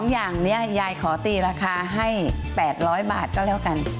อย่างนี้ยายขอตีราคาให้๘๐๐บาทก็แล้วกัน